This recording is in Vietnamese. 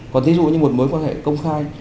còn ví dụ như một mối quan hệ công khai